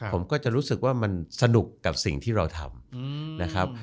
ผมก็จะรู้สึกว่ามันสนุกกับสิ่งที่เราทำนะครับ